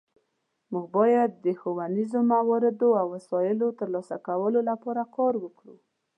مونږ باید د ښوونیزو موادو او وسایلو د ترلاسه کولو لپاره کار وکړو